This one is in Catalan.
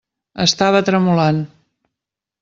Estava tremolant.